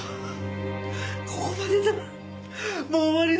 ここまでだもう終わりだ！